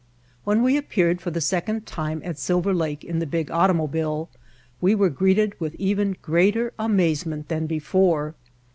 When we appeared for the second time at Silver Lake in the big automobile we were greeted with even greater amazement than be fore.